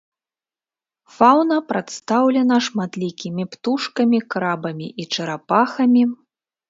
Фаўна прадстаўлена шматлікімі птушкамі, крабамі і чарапахамі.